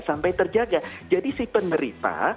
sampai terjaga jadi si penderita